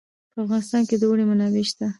په افغانستان کې د اوړي منابع شته.